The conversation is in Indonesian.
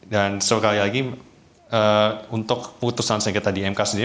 dan sekali lagi untuk putusan sengketa di mk sendiri